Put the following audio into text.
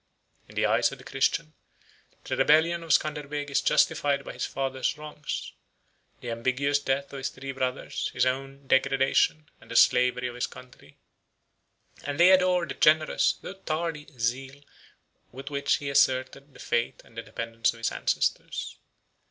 In the eyes of the Christian, the rebellion of Scanderbeg is justified by his father's wrongs, the ambiguous death of his three brothers, his own degradation, and the slavery of his country; and they adore the generous, though tardy, zeal, with which he asserted the faith and independence of his ancestors.